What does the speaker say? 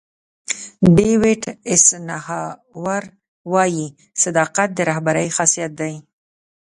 ډیوېټ ایسنهاور وایي صداقت د رهبرۍ خاصیت دی.